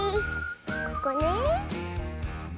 ここねえ。